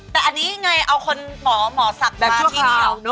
แต่อันนี้ยังไงเอาคนหมอสักมาที่นี่เหรอแบบชั่วข่าว